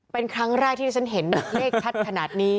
เป็นครั้งแรกที่ที่ฉันเห็นเลขชัดขนาดนี้